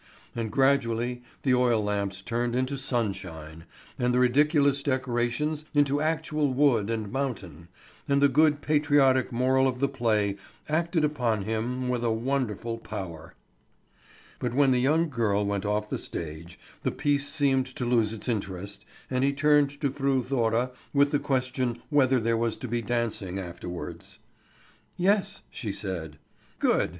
And gradually the oil lamps turned into sunshine, and the ridiculous decorations into actual wood and mountain; and the good patriotic moral of the play acted upon him with a wonderful power. But when the young girl went off the stage the piece seemed to lose its interest, and he turned to Fru Thora with the question whether there was to be dancing afterwards. "Yes," she said. Good!